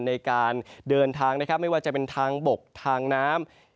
ในการเดินทางนะครับไม่ว่าจะเป็นทางบกทางน้ำ